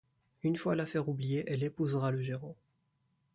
Une fois l'affaire oubliée, elle épousera le gérant.